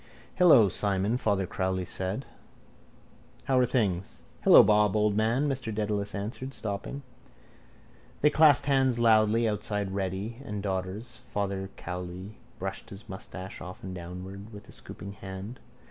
—Hello, Simon, Father Cowley said. How are things? —Hello, Bob, old man, Mr Dedalus answered, stopping. They clasped hands loudly outside Reddy and Daughter's. Father Cowley brushed his moustache often downward with a scooping hand.